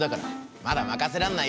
まだまかせらんないよ。